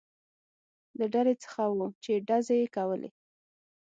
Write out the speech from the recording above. له ډلې څخه و، چې ډزې یې کولې.